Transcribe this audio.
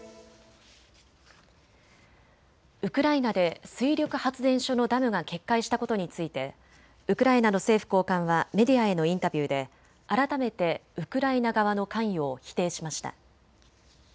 ウクライナで水力発電所のダムが決壊したことについてウクライナの政府高官はメディアへのインタビューで改めてウクライナ側の関与を否定しました。